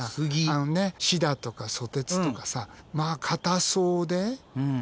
シダとかソテツとかさまあ硬そうでねえ。